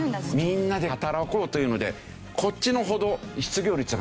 みんなで働こうというのでこっちのほど失業率が高くないんですよ。